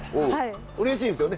うれしいですよね。